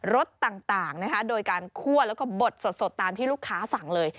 รสต่างนะคะโดยการคั่วแล้วก็บดสดตามที่ลูกค้าสั่งเลย